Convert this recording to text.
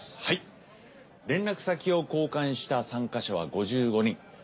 はい連絡先を交換した参加者は５５人。